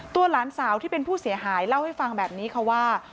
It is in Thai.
หลานสาวที่เป็นผู้เสียหายเล่าให้ฟังแบบนี้ค่ะว่า